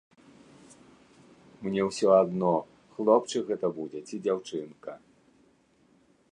Мне ўсё адно, хлопчык гэта будзе ці дзяўчынка.